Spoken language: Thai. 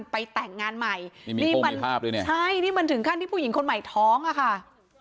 ไปแต่งงานใหม่นี่มันถึงขั้นที่ผู้หญิงคนใหม่ท้องอะค่ะ